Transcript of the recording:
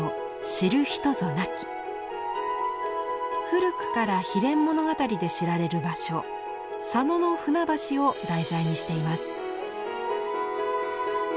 古くから悲恋物語で知られる場所佐野の舟橋を題材にしています。